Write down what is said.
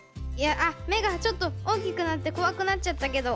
めがちょっとおおきくなってこわくなっちゃったけど。